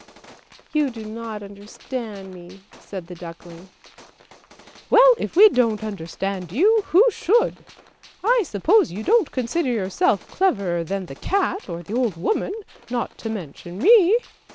"' You do not understand me," said the duckling. " Well, if we don't understand you, who should? I suppose you don't consider yourself cleverer than the cat or the old woman, not to mention me.